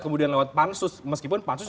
kemudian lewat pansus meskipun pansus